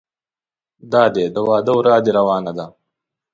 دادی د واده ورا دې روانه ده.